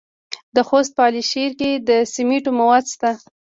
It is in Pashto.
د خوست په علي شیر کې د سمنټو مواد شته.